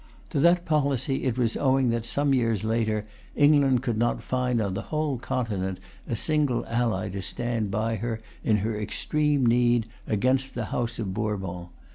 To that policy it was owing that, some years later, England could not find on the whole Continent a single ally to stand by her, in her extreme need, against the House of Bourbon.